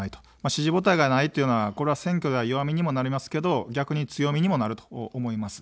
支持母体がないというのは選挙では弱みにもなりますけど逆に強みにもなると思います。